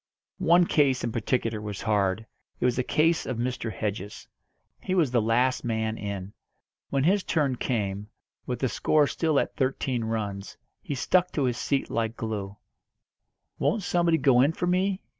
One case in particular was hard. It was the case of Mr. Hedges. He was the last man in; when his turn came, with the score still at thirteen runs, he stuck to his seat like glue. "Won't somebody go in for me?"